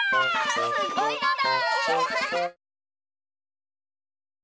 すごいのだ！